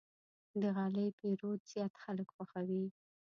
د غالۍ پېرود زیات خلک خوښوي.